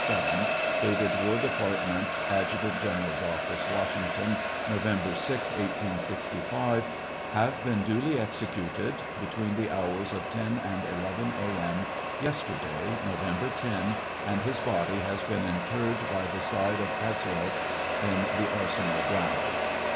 607, dated \Var Department, Adjutant General's Office, "Washington, November 6, 18G5, have been duly executed (between the hours of 10 and 11 a. m.) yes terday, November 10, and his body has been interred by the side of Atzerodt, in the arsenal grounds.